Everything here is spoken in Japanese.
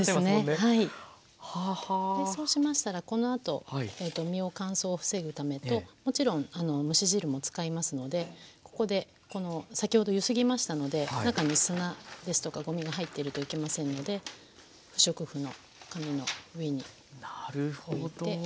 そうしましたらこのあと身を乾燥を防ぐためともちろん蒸し汁も使いますのでここで先ほどゆすぎましたので中に砂ですとかごみが入ってるといけませんので不織布の紙の上に置いて。